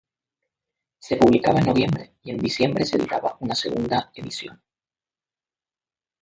Se publicaba en noviembre y en diciembre se editaba una segunda edición.